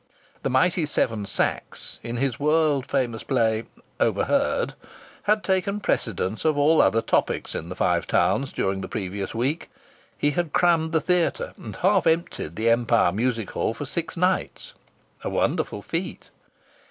The mighty Seven Sachs, in his world famous play, "Overheard," had taken precedence of all other topics in the Five Towns during the previous week. He had crammed the theatre and half emptied the Empire Music Hall for six nights; a wonderful feat.